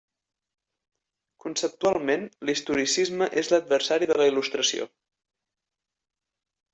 Conceptualment, l'historicisme és adversari de la Il·lustració.